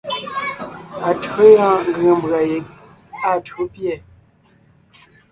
Atÿǒ yɔɔn ngʉ̀ŋe mbʉ̀a yeg áa tÿǒ pîɛ.